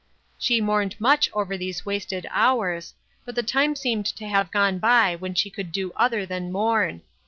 She mourned much over these wasted hours, but the time seemed to have gone by when she could do other than mourn.